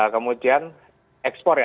kemudian ekspor ya